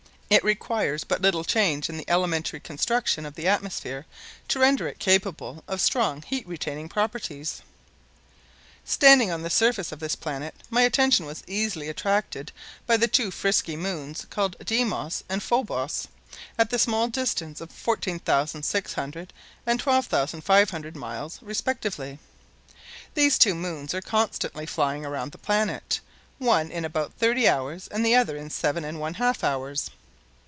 It requires but little change in the elementary construction of the atmosphere to render it capable of strong heat retaining properties. Standing on the surface of this planet, my attention was easily attracted by the two frisky moons called Deimos and Phobos, at the small distance of 14,600 and 12,500 miles respectively. These two moons are constantly flying around the planet, one in about thirty hours and the other in seven and one half hours.